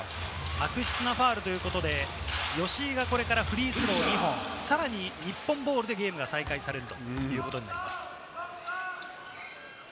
悪質なファウルだということで、吉井がこれからフリースロー２本、さらに日本ボールでゲームが再開されます。